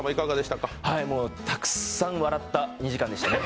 たくさん笑った２時間でしたね。